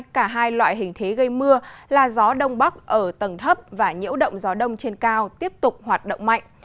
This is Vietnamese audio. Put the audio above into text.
cả hai loại hình thế gây mưa là gió đông bắc ở tầng thấp và nhiễu động gió đông trên cao tiếp tục hoạt động mạnh